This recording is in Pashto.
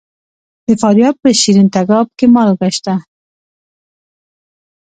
د فاریاب په شیرین تګاب کې مالګه شته.